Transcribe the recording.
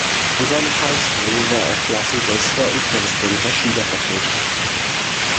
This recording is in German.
An seiner High School war er Klassenbester und Präsident der Schülervertretung.